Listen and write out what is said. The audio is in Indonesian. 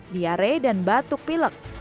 diare dan batuk pilek